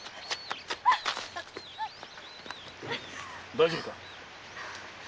大丈夫か？